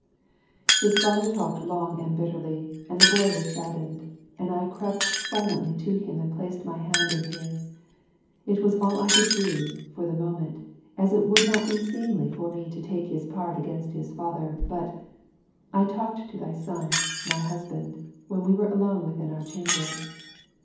His father talked long and bitterly, and the boy was saddened, and I crept silently to him and placed my hand in his. It was all I could do, for the moment, as it would not be seemly for me to take his part against his father, but I talked to thy son, my husband, when we were alone within our chamber.